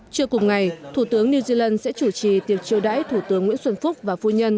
trưa cùng ngày thủ tướng new zealand sẽ chủ trì tiệc chiêu đãi thủ tướng nguyễn xuân phúc và phu nhân